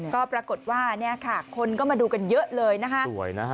ก็ปรากฏว่าเนี่ยค่ะคนก็มาดูกันเยอะเลยนะคะสวยนะฮะ